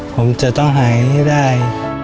ผมจะต้องหายให้ได้